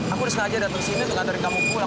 aku suka aja datang sini untuk antar kamu pulang